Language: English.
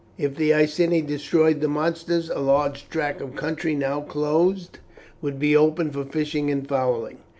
If the Iceni destroyed the monsters a large tract of country now closed would be open for fishing and fowling.